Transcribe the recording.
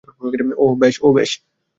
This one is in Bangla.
ওহ, বেশ!